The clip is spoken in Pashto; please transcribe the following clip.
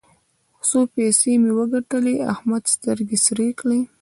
څو پيسې مې وګټلې؛ احمد سترګې سرې کړې.